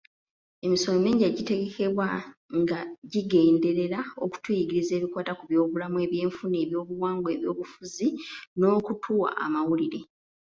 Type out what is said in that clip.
Emisomo mingi egitegekebwa nga gigenderera okuyigiriza ebikwata ku byobulamu, ebyenfuna, ebyobuwangwa, ebyobufuzi; n’okutuwa amawulire.